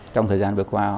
trong thời gian vừa qua